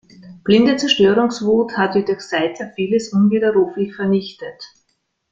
Blinde Zerstörungswut hat jedoch seither vieles unwiderruflich vernichtet.